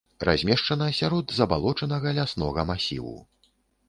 Размешчана сярод забалочанага ляснога масіву.